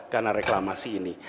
karena reklamasi ini